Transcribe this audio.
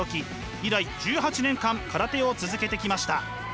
以来１８年間空手を続けてきました。